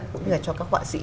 cũng như là cho các họa sĩ